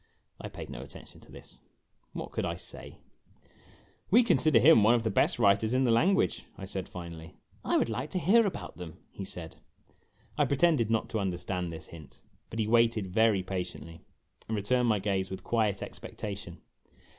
I paid no attention to this. What could I say ? "We consider him one of the best writers in the language," I said finally. " I would like to hear about them," he said. I pretended not to understand this hint ; but he waited very patiently, and returned my gaze with quiet expectation.